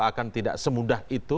akan tidak semudah itu